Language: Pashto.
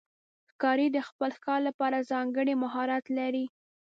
ښکاري د خپل ښکار لپاره ځانګړی مهارت لري.